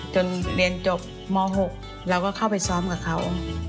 จนเรียนจบม๖เราก็เข้าไปซ้อมกับเขา